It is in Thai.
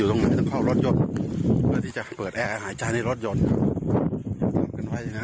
ตรงไหนจะเข้ารถยนต์นี้จะเปิดแอร์หายใจในรถยนต์